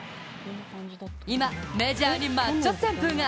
今、メジャーにマッチョ旋風が。